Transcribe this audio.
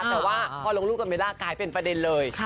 แต่ว่าพอลงรูปกันไม่ได้กลายเป็นประเด็นเลย